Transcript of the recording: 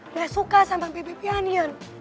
nggak suka sama bebe pianian